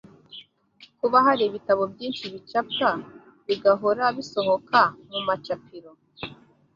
Kuba hari ibitabo byinshi bicapwa bigahora bisohoka mu macapiro